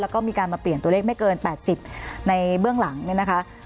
แล้วก็มีการมาเปลี่ยนตัวเลขไม่เกิน๘๐ในเบื้องหลังเนี่ยนะคะ